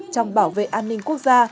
trong bảo vệ an ninh quốc gia